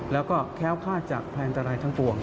แล้วก็แค้วคาดจากแพลนตรายทั้งปวง